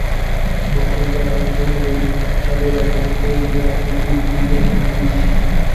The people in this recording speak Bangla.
বসন্ত রায় কহিলেন, কেন দাদা, এ বুড়াকে কি ভুলিয়া গেছিস।